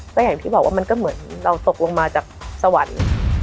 ก็อย่างที่บอกว่ามันก็เหมือนเราตกลงมาจากสวรรค์